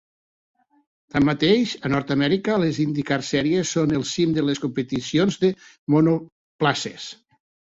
Tanmateix, a Nord-amèrica, les IndyCar Series són el cim de les competicions de monoplaces.